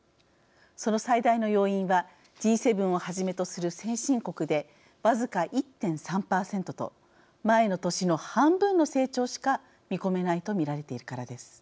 その最大の要因はＧ７をはじめとする先進国で僅か１．３％と前の年の半分の成長しか見込めないと見られているからです。